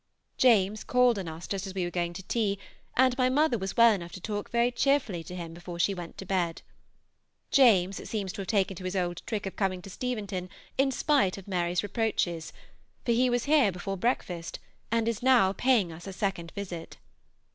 James called on us just as we were going to tea, and my mother was well enough to talk very cheerfully to him before she went to bed. James seems to have taken to his old trick of coming to Steventon in spite of Mary's reproaches, for he was here before breakfast and is now paying us a second visit.